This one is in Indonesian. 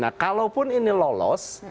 nah kalaupun ini lolos